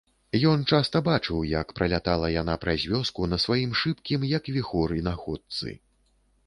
Ён часта бачыў, як пралятала яна праз вёску на сваім шыбкім, як віхор, інаходцы.